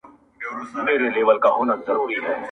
سپین لباس د فریشتو یې په تن کړی,